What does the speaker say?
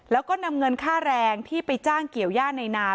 แล้วก็นำเงินค่าแรงที่ไปจ้างเกี่ยวย่าในนา